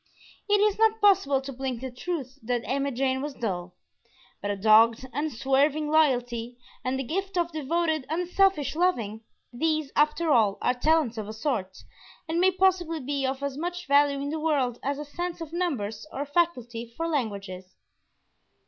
It is not possible to blink the truth that Emma Jane was dull; but a dogged, unswerving loyalty, and the gift of devoted, unselfish loving, these, after all, are talents of a sort, and may possibly be of as much value in the world as a sense of numbers or a faculty for languages.